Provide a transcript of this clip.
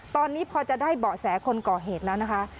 ตอนนี้พอจะได้เบาะแสคนก่อเหตุแล้วนะคะ